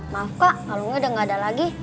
maaf kak alumnya udah gak ada lagi